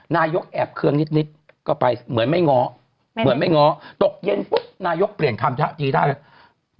นายกแอบเครื่องนิดก็ไปเหมือนไม่ง้อตกเย็นปุ๊บนายกเปลี่ยนคำจีนท่าเลย